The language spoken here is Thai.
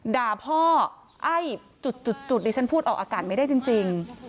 ด่าพ่อไอ้จุดดิฉันพูดออกอากาศไม่ได้จริง